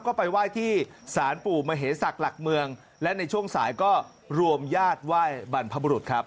ก็ไปไหว้ที่สารปู่มเหศักดิ์หลักเมืองและในช่วงสายก็รวมญาติไหว้บรรพบุรุษครับ